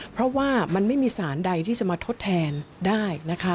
เพราะว่ามันไม่มีสารใดที่จะมาทดแทนได้นะคะ